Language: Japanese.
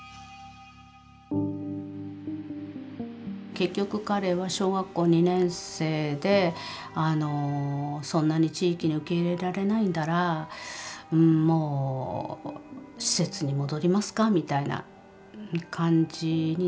結局彼は小学校２年生であのそんなに地域に受け入れられないんだらもう施設に戻りますかみたいな感じになりましたね。